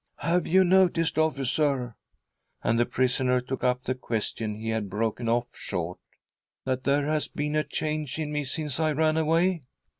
" Have you noticed, officer," and the prisoner took up the question he had broken off short, " that there has been a change in me since I ran away?